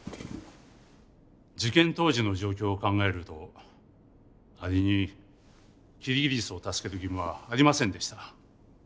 事件当時の状況を考えるとアリにキリギリスを助ける義務はありませんでした。